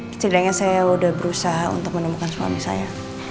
kecilanya saya udah berusaha untuk menemukan suami saya